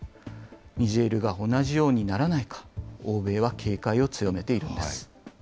ニジェールが同じようにならないか、欧米は警戒を強めているんです。